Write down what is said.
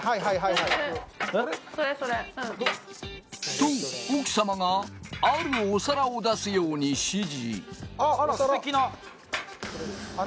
と、奥様があるお皿を出すように指示。